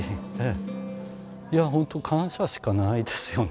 いや本当感謝しかないですよね。